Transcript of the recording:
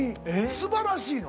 素晴らしいの！